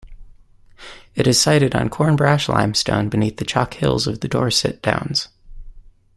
It is sited on Cornbrash limestone beneath the chalk hills of the Dorset Downs.